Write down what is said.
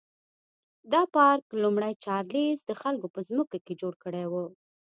دا پارک لومړي چارلېز د خلکو په ځمکو کې جوړ کړی و.